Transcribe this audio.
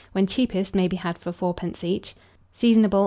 when cheapest, may be had for 4d. each. Seasonable.